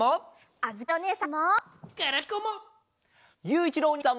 あつこおねえさんも。